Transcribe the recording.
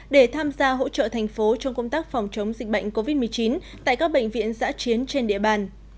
để tham gia hỗ trợ thành phố trong công tác phòng chống dịch bệnh covid một mươi chín tại các bệnh viện giã chiến trên địa bàn